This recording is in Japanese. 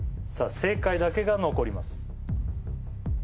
正解だけが残ります